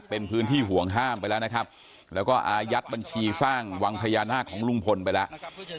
เป็นพื้นที่ห่วงห้ามไปแล้วนะครับแล้วก็อายัดบัญชีสร้างวังพญานาคของลุงพลไปแล้ว